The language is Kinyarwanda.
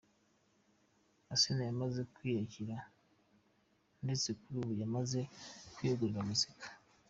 Asinah yamaze kwiyakira ndetse kuri ubu yamaze kwiyegurira muzika